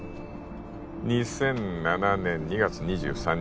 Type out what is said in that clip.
２００７年２月２３日